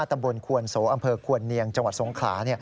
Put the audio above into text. ตำบลควนโสอำเภอควรเนียงจังหวัดสงขลา